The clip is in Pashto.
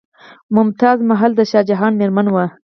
ممتاز محل د شاه جهان میرمن وه.